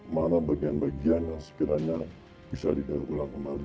mana bagian bagian yang sekiranya bisa didaur ulang kembali